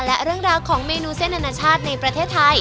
และเรื่องราวของเมนูเส้นอนาชาติในประเทศไทย